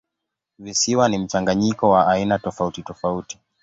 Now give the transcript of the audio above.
Visiwa ni mchanganyiko wa aina tofautitofauti.